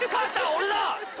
俺だ！